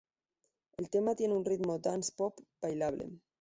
El tema tiene un ritmo dance pop, bailable.